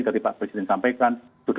tadi pak presiden sampaikan